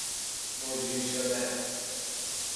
مجری شدن